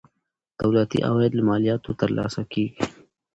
دولتي عواید له مالیاتو ترلاسه کیږي.